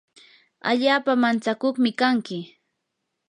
allaapa mantsakuqmi kanki.